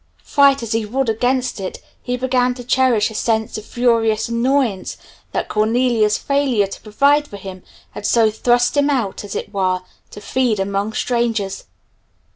Fight as he would against it, he began to cherish a sense of furious annoyance that Cornelia's failure to provide for him had so thrust him out, as it were, to feed among strangers.